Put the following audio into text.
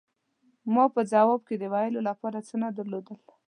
ما په ځواب کې د ویلو له پاره څه نه درلودل.